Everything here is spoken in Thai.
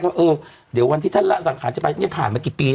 ว่าเออเดี๋ยววันที่ท่านละสังขารจะไปเนี่ยผ่านมากี่ปี